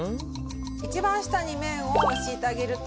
一番下に麺を敷いてあげると。